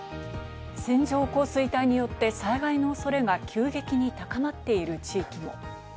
線状降水帯によって災害の恐れが急激に高まっている地域も。